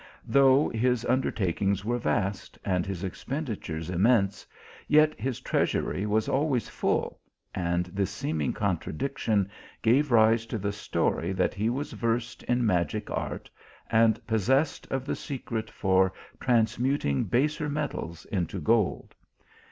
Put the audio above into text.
Though his undertakings were vast, and his expenditures immense, yet his treasury was always full ; and this seeming contradiction gave rise to the story that he was versed in magic art and possessed of the secret for tramsmuting baser metals into gold.